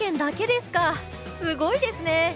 すごいですね！